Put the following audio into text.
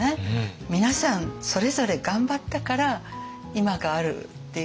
皆さんそれぞれ頑張ったから今があるっていうか国ができた。